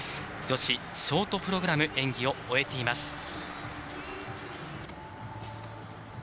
女子ショートプログラム演技を終えています。